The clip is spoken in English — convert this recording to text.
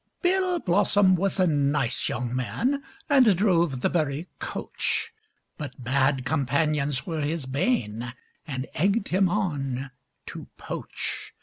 Bill Blossom was a nice young man, And drove the Bury coach; But bad companions were his bane, And egg'd him on to poach.